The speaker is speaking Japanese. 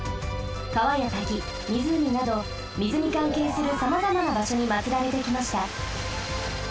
かわやたきみずうみなど水にかんけいするさまざまなばしょにまつられてきました。